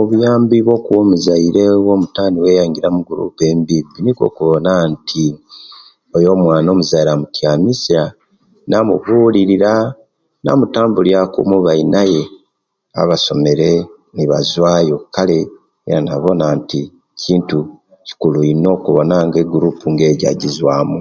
Obuyambi bwokuwa omuzaire omutaane we ayingira omugurupu ebibi nikwo okuwona nti oyo omwana omuzaire omutyamisya namubulilira namutabulyaku omubanaye abasomere nebavayo kale yena nabona nti kintu kikulu ino okubona nti egurupu nga ejjo ejizwaamu